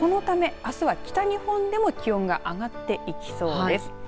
このためあすは北日本でも気温が上がっていきそうです。